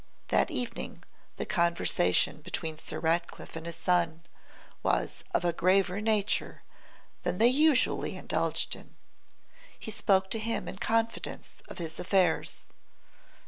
That evening the conversation between Sir Ratcliffe and his son was of a graver nature than they usually indulged in. He spoke to him in confidence of his affairs.